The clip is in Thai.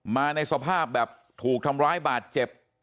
มาในสภาพแบบถูกทำร้ายบาดเจ็บ